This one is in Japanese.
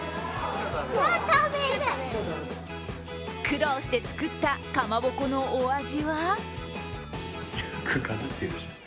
苦労して作ったかまぼこのお味は？